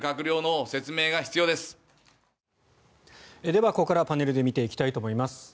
では、ここからはパネルで見ていきたいと思います。